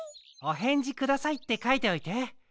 「おへんじください」ってかいておいて。